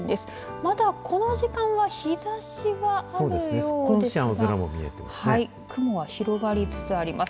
まだこの時間は日ざしはあるようですが雲は広がりつつあります。